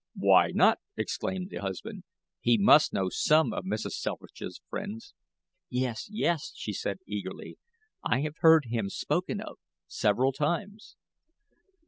"Why not?" exclaimed the husband; "he must know some of Mrs. Selfridge's friends." "Yes, yes," she said, eagerly; "I have heard him spoken of, several times."